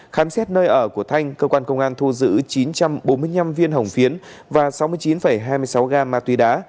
khám xét nơi ở của thanh cơ quan công an thu giữ chín trăm bốn mươi năm viên hồng phiến và sáu mươi chín hai mươi sáu gam ma túy đá